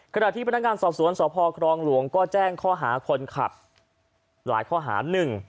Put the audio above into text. ขณะที่พนักงานสอบสวนสพครองหลวงก็แจ้งข้อหาคนขับหลายข้อหาหนึ่ง